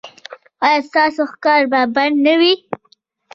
ایا ستاسو ښکار به بند نه وي؟